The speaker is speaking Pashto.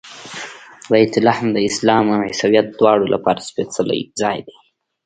بیت لحم د اسلام او عیسویت دواړو لپاره سپېڅلی ځای دی.